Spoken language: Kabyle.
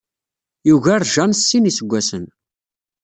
Yugar Jane s sin n yiseggasen.